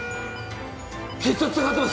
血圧下がってます。